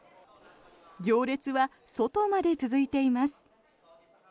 行列は外まで続いています。